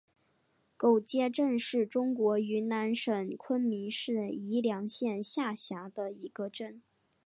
狗街镇是中国云南省昆明市宜良县下辖的一个镇。